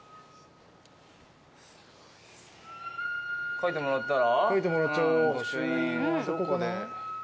書いてもらったら？